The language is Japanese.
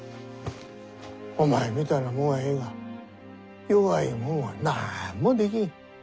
お前みたいなもんはええが弱いもんは何もできん。